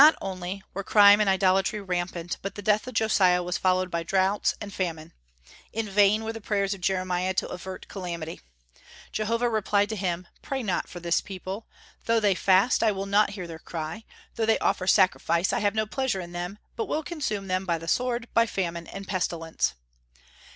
Not only were crime and idolatry rampant, but the death of Josiah was followed by droughts and famine. In vain were the prayers of Jeremiah to avert calamity. Jehovah replied to him: "Pray not for this people! Though they fast, I will not hear their cry; though they offer sacrifice I have no pleasure in them, but will consume them by the sword, by famine, and pestilence."